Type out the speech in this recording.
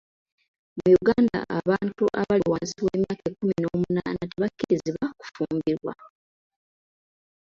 Mu Uganda, abantu abali wansi w'emyaka kkumi na munaana tebakkirizibwa kufumbirwa.